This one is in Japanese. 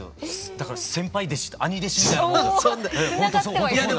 だから先輩弟子兄弟子みたいなもんですよ。